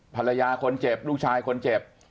ภรรยาคนเจ็บลูกชายคนเจ็บ